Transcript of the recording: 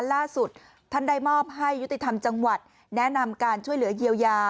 ล่าสุดท่านได้มอบให้ยุติธรรมจังหวัดแนะนำการช่วยเหลือเยียวยา